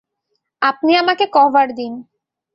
আপনি আমাকে কভার দিন।